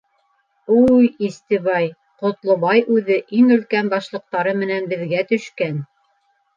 — Уй, Истебай, Ҡотлобай үҙе иң өлкән башлыҡтары менән беҙгә төшкән.